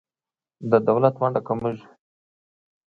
د دولت ونډه کمیږي.